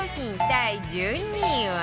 第１２位は